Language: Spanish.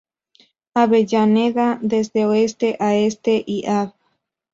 Avellaneda desde oeste a este y Av.